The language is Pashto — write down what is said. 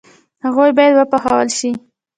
هغوی باید وپوهول شي.